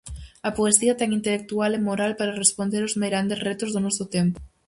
A poesía ten intelectual e moral para responder aos meirandes retos do noso tempo.